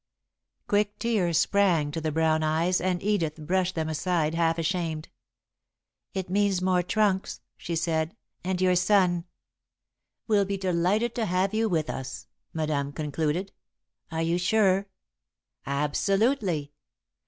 Quick tears sprang to the brown eyes, and Edith brushed them aside, half ashamed. "It means more trunks," she said, "and your son " "Will be delighted to have you with us," Madame concluded. "Are you sure?" "Absolutely."